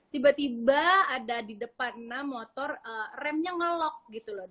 tiba tiba ada di depan enam motor remnya ngelok gitu loh